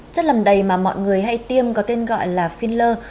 chất làm đầy mà mọi người hay tiêm có tên gọi là finler